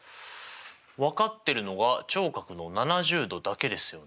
分かってるのが頂角の７０°だけですよね。